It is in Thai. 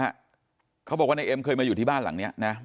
อีกคนหนึ่งนะฮะเขาบอกว่าไอ้เอ็มเคยมาอยู่ที่บ้านหลังเนี่ยนะ